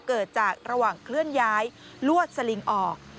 เกิดจากระหว่างเคลื่อนย้ายลวดสลิงออก